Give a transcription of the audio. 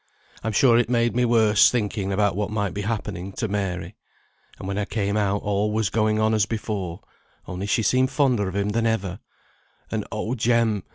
I'm sure it made me worse, thinking about what might be happening to Mary. And when I came out, all was going on as before, only she seemed fonder of him than ever; and oh Jem!